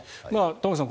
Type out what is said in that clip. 玉川さん